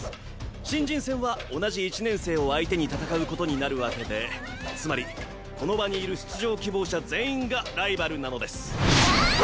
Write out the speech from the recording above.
新人戦は同じ１年生を相手に戦うことになるわけでつまりこの場にいる出場希望者全員がライバルなのですはあっ！